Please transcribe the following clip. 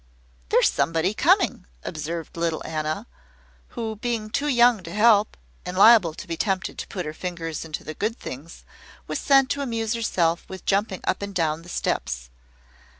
"There's somebody coming," observed little Anna, who, being too young to help, and liable to be tempted to put her fingers into the good things, was sent to amuse herself with jumping up and down the steps.